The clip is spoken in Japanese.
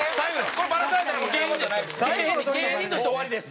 これバラされたらもう芸人じゃない芸人として終わりです。